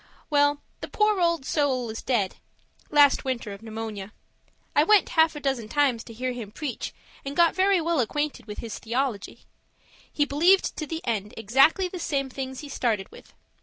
Well, the poor old soul is dead last winter of pneumonia. I went half a dozen times to hear him preach and got very well acquainted with his theology. He believed to the end exactly the same things he started with.